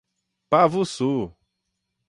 Pavussu